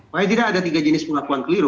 paling tidak ada tiga jenis pengakuan keliru